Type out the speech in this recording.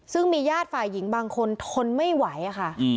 ซึ่งมีญาติฝ่ายหญิงบางคนทนไม่ไหวค่ะ